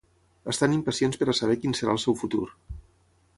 Estan impacients per a saber quin serà el seu futur.